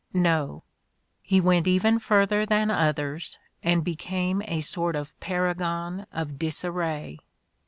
No: "he went even further than others and became a sort of paragon of disarray."